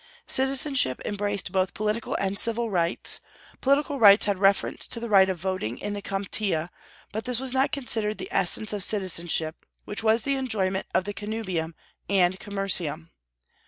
Citizenship embraced both political and civil rights. Political rights had reference to the right of voting in the comitia; but this was not considered the essence of citizenship, which was the enjoyment of the connubium, and commercium.